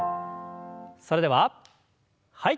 それでははい。